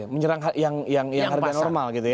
menyerang yang harga normal gitu ya